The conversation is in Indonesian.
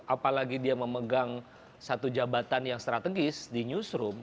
apalagi dia memegang satu jabatan yang strategis di newsroom